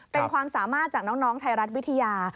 เป็นความสามารถจากน้องไทยรัฐวิทยา